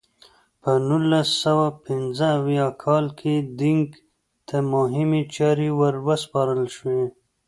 په نولس سوه پنځه اویا کال کې دینګ ته مهمې چارې ور وسپارل شوې.